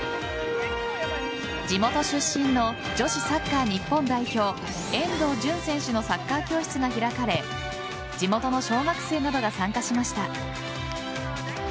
地元出身の女子サッカー日本代表遠藤純選手のサッカー教室が開かれ地元の小学生などが参加しました。